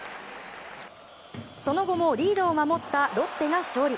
その後もリードを守ったロッテが勝利。